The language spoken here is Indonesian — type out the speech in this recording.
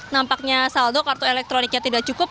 nampaknya saldo kartu elektroniknya tidak cukup